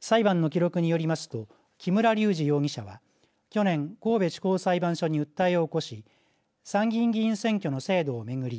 裁判の記録によりますと木村隆二容疑者は去年神戸地方裁判所に訴えを起こし参議院議員選挙の制度を巡り